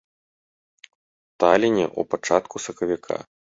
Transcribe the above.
Таліне ў пачатку сакавіка.